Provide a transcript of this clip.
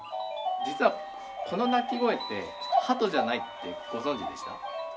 実はこの鳴き声って鳩じゃないってご存じでした？